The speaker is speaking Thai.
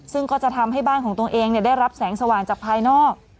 ซึ่งก็จะทำให้บ้านของตัวเองได้รับแสงสว่างจากภายนอก